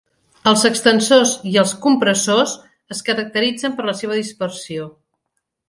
Els extensors i els compressors es caracteritzen per la seva dispersió.